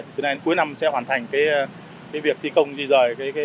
từ nay đến cuối năm sẽ hoàn thành việc thi công di rời